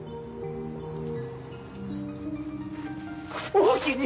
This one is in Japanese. おおきに！